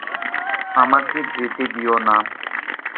আমাকে যেতে দিও না